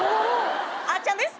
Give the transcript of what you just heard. あちゃんです。